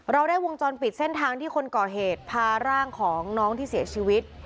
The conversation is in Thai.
เราได้วงจรปิดเส้นทางที่คนก่อเหตุพาร่างของน้องที่เสียชีวิต